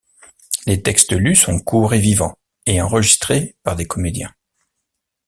Les textes lus sont courts et vivants et enregistrés par des comédiens.